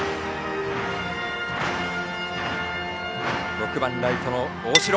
６番ライトの大城。